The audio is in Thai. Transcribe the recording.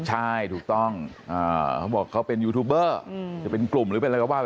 ใช่ถูกต้องเขาบอกเขาเป็นยูทูบเบอร์จะเป็นกลุ่มหรือเป็นอะไรก็ว่า